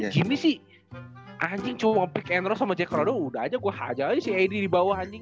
jimmy sih anjing cuma pick enros sama jack crow udah aja gue hajar aja si ad dibawah anjing